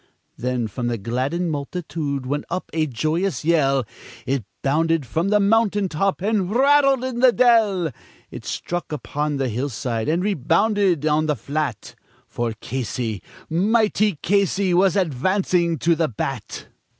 Then from the gladdened multitude went up a joyous yell, It bounded from the mountain top, and rattled in the dell, It struck upon the hillside, and rebounded on the flat; For Casey, mighty Casey, was advancing to the bat.